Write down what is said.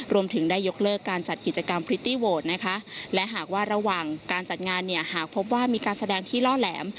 รวมถึงได้ยกเลิกการจัดกิจกรรมพริตตี้โหวตนะคะและหากว่าระหว่างการจัดงานเนี่ยหากพบว่ามีการแสดงที่ล่อแหลม